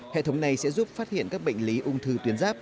hệ thống này sẽ giúp phát hiện các bệnh lý ung thư tuyến giáp